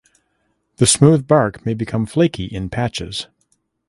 The smooth bark may become flaky in patches.